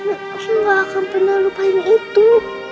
aku gak akan pernah lupain itu